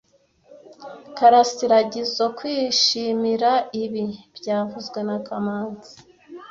Karasira agizoe kwishimira ibi byavuzwe na kamanzi